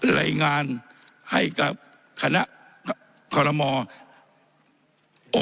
ไหลงานให้กับคณะขอรมมอร์